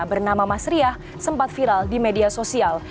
bernama mas riah sempat viral di media sosial